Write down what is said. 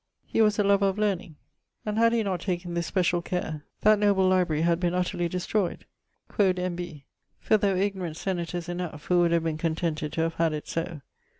He was a lover of learning, and had he not taken this speciall care, that noble library had been utterly destroyed quod N. B.; for there were ignorant senators enough who would have been contented to have had it so.